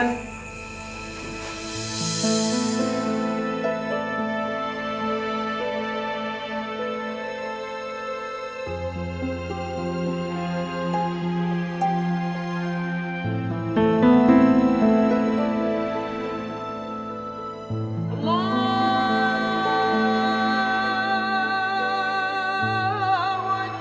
aku belum buka puasa